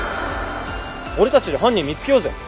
俺たちで犯人見つけようぜ。